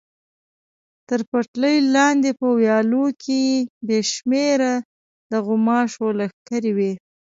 تر پټلۍ لاندې په ویالو کې بې شمېره د غوماشو لښکرې وې.